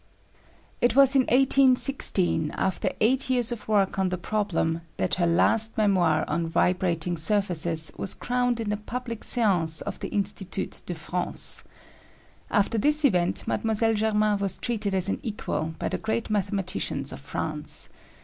It was in 1816, after eight years of work on the problem, that her last memoir on vibrating surfaces was crowned in a public séance of the Institut de France. After this event Mlle. Germain was treated as an equal by the great mathematicians of France.